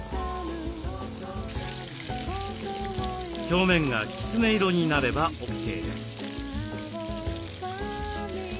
表面がきつね色になればＯＫです。